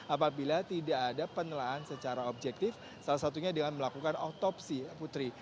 apabila tidak ada penelaan secara objektif salah satunya dengan melakukan otopsi putri